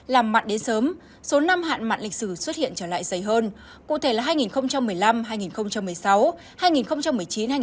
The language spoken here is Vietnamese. làm mặn đến sớm số năm hạn mặn lịch sử xuất hiện trở lại dày hơn cụ thể là hai nghìn một mươi năm hai nghìn một mươi sáu hai nghìn một mươi chín hai nghìn hai mươi hai nghìn hai mươi ba hai nghìn hai mươi bốn